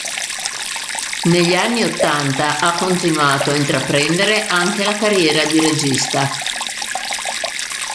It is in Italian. Negli anni ottanta ha continuato a intraprendere anche la carriera di regista.